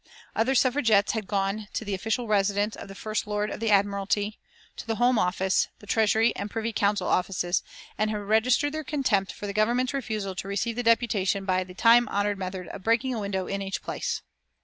Other Suffragettes had gone to the official residence of the First Lord of the Admiralty, to the Home Office, the Treasury and Privy Council Offices, and had registered their contempt for the Government's refusal to receive the deputation by the time honoured method of breaking a window in each place.